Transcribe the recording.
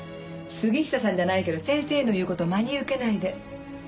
杉下さんじゃないけど先生の言う事を真に受けないで。